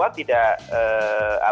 agar orang tua